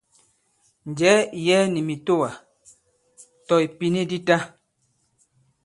Njɛ̀ɛ ì yɛɛ nì mìtoà, tɔ̀ ìpìni di ta.